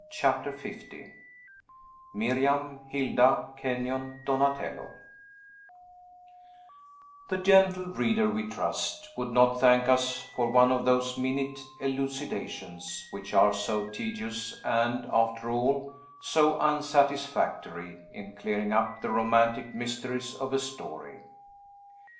CHAPTER L MIRIAM, HILDA, KENYON, DONATELLO The gentle reader, we trust, would not thank us for one of those minute elucidations, which are so tedious, and, after all, so unsatisfactory, in clearing up the romantic mysteries of a story.